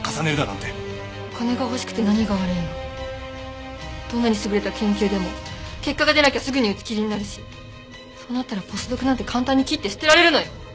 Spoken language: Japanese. どんなに優れた研究でも結果が出なきゃすぐに打ち切りになるしそうなったらポスドクなんて簡単に切って捨てられるのよ。